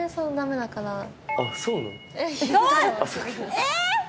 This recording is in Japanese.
えっ！